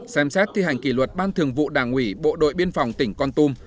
ba xem xét thi hành kỷ luật ban thường vụ đảng ủy bộ đội biên phòng tỉnh con tum